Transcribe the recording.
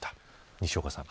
西岡さん。